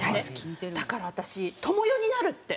「だから私知世になる」って。